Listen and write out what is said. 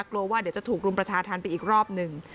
กลัวว่าเดี๋ยวจะถูกรุมประชาธรรมไปอีกรอบหนึ่ง